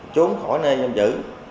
trốn khỏi nơi nhân dữ